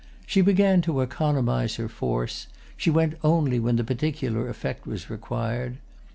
She began to economise her force, she went only when the particular effect was required.